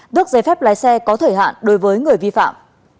tước giấy phép lái xe có thời hạn đối với người vi phạm